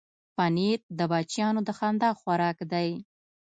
پنېر د بچیانو د خندا خوراک دی.